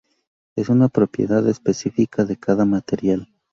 Es una propiedad específica de cada material.